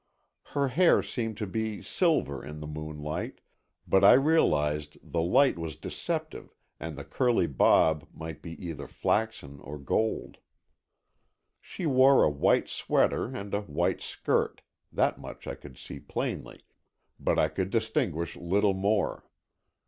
Her hair seemed to be silver in the moonlight, but I realized the light was deceptive and the curly bob might be either flaxen or gold. She wore a white sweater and a white skirt—that much I could see plainly, but I could distinguish little more.